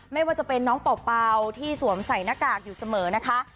ไม่ว่าจะเป็นน้องเป่าที่สวมใส่หน้ากากอยู่เสมอนะคะ